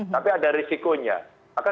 tapi ada risikonya